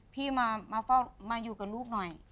พี่มาอยู่กับลูกหน่อย